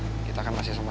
ya kita kan masih sekolah